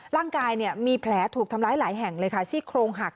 ร่างกายเนี่ยมีแผลถูกทำร้ายหลายแห่งเลยค่ะซี่โครงหัก